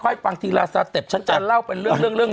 ค่อยฟังทีล่าสาเตบฉันจะเล่าเป็นเรื่อง